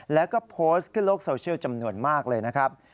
แล้วก็โพสต์ขึ้นโลกโซเชียลจำนวนมากเลยนะครับ